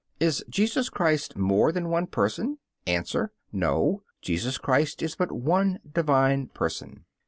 Is Jesus Christ more than one person? A. No, Jesus Christ is but one Divine Person.